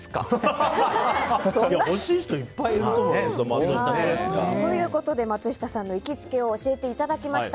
欲しい人いっぱいいると思うよ。ということで松下さんの行きつけを教えていただきました。